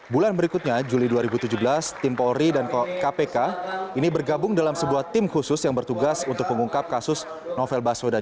bulan berikutnya juli dua ribu tujuh belas tim polri dan kpk ini bergabung dalam sebuah tim khusus yang bertugas untuk mengungkap kasus novel baswedan